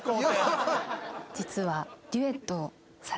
実は。